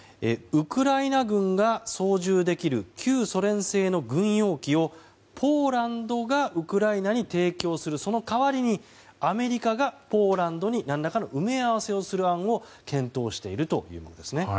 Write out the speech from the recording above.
ウクライナ軍が操縦できる旧ソ連製の軍用機をポーランドがウクライナに提供するその代わりにアメリカがポーランドに何らかの埋め合わせをする案を検討しているということです。